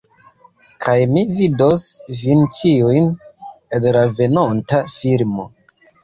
Kaj mi vidos vin ĉiujn, en la venonta filmo